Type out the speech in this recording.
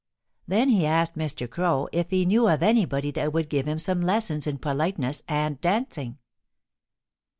Then he asked Mr. Crow if he knew of anybody that would give him some lessons in politeness and dancing.